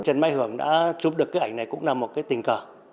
trần mai hưởng đã chụp được cái ảnh này cũng là một cái tình cờ